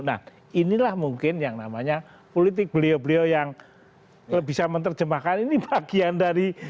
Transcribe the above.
nah inilah mungkin yang namanya politik beliau beliau yang bisa menerjemahkan ini bagian dari